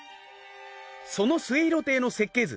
その『末廣亭』の設計図。